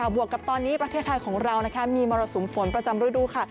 วกกับตอนนี้ประเทศไทยของเรามีมรสุมฝนประจำฤดูค่ะ